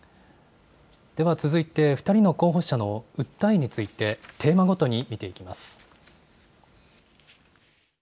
では続いて、２人の候補者の訴えについて、テーマごとに見ていきます。